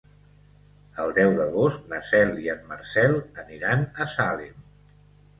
El deu d'agost na Cel i en Marcel aniran a Salem.